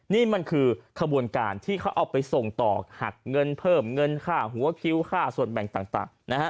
นี่มันคือขบวนการที่เขาเอาไปส่งต่อหักเงินเพิ่มเงินค่าหัวคิวค่าส่วนแบ่งต่างนะฮะ